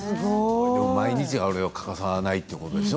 毎日あれを欠かさないっていうことでしょ？